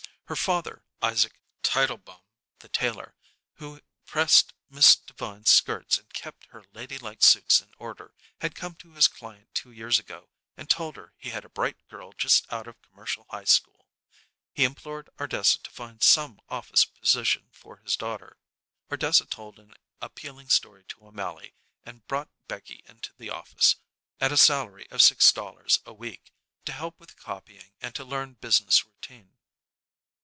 Her father, Isaac Tietelbaum, the tailor, who pressed Miss Devine's skirts and kept her ladylike suits in order, had come to his client two years ago and told her he had a bright girl just out of a commercial high school. He implored Ardessa to find some office position for his daughter. Ardessa told an appealing story to O'Mally, and brought Becky into the office, at a salary of six dollars a week, to help with the copying and to learn business routine.